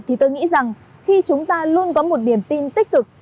thì tôi nghĩ rằng khi chúng ta luôn có một niềm tin tích cực